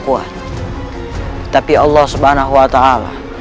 kuat tapi allah subhanahuwata'ala